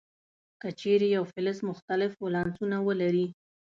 که چیرې یو فلز مختلف ولانسونه ولري.